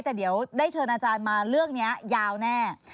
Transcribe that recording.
แต่เดี๋ยวได้เชิญอาจารย์มาเรื่องนี้ยาวแน่